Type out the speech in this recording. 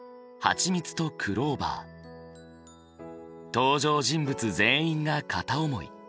登場人物全員が片思い。